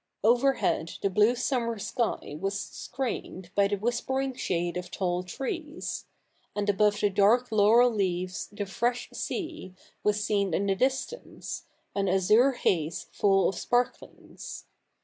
Overhead the blue summer sky was screened by the whispering shade of tall trees ; and above the dark laurel leaves the fresh sea was seen in the distance, an azure haze full of sparklings.